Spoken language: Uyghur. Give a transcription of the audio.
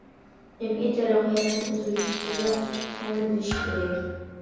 جەمئىيەت تەرەققىياتىنىڭ ئۆزگىرىشلىرىگە كۆڭۈل بۆلۈشى كېرەك.